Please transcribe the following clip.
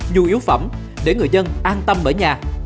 nhu yếu phẩm để người dân an tâm ở nhà